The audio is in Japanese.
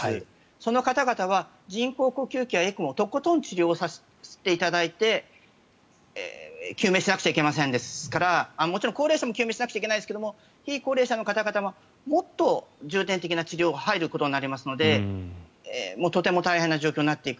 その方々は人工呼吸器やＥＣＭＯとことん治療させていただいて救命しなくちゃいけませんからもちろん高齢者も救命しなくちゃいけませんが非高齢者の方々ももっと重点的な治療が入ることになるのでとても大変な状況になっていく。